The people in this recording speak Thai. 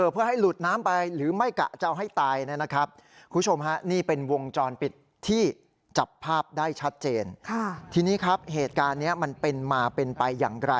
เพื่อให้หลุดน้ำไป